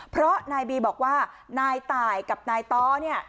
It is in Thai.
เพราะนายบีบอกว่านายตายกับนายต้อเนี่ย